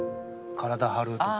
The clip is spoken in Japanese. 体張るとか。